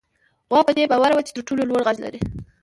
غوا په دې باور وه چې تر ټولو لوړ غږ لري.